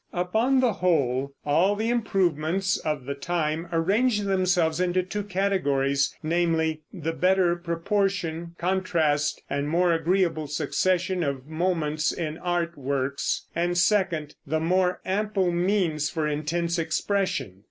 Upon the whole, all the improvements of the time arrange themselves into two categories, namely: The better proportion, contrast, and more agreeable succession of moments in art works; and, second, the more ample means for intense expression.